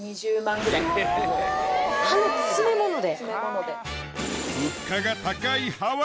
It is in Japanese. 詰め物で。